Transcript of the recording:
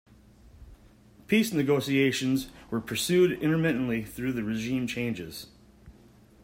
Peace negotiations were pursued intermittently through the regime changes.